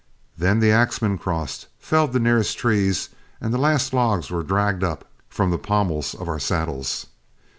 Then the axemen crossed, felled the nearest trees, and the last logs were dragged up from the pommels of our saddles.